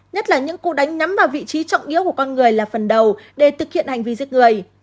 nhất là những cuộc đánh nắm vào vị trí trọng yếu của con người là phần đầu để thực hiện hành vi giết người